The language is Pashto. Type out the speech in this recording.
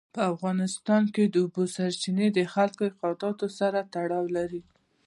په افغانستان کې د اوبو سرچینې د خلکو د اعتقاداتو سره تړاو لري.